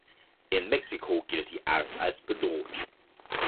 In Mexiko gilt die Art als bedroht.